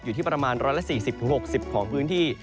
อยู่ที่ประมาณ๑๔๐๖๐ของพื้นที่